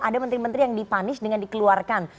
ada menteri menteri yang dipanis dengan dikeluarkan